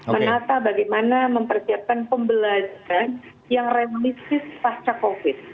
menata bagaimana mempersiapkan pembelajaran yang realistis pasca covid